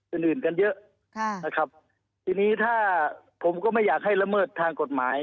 อื่นอื่นกันเยอะค่ะนะครับทีนี้ถ้าผมก็ไม่อยากให้ละเมิดทางกฎหมาย